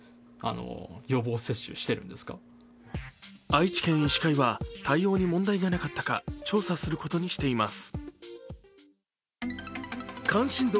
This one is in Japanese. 愛知県医師会は、対応に問題がなかったか調査することにしています。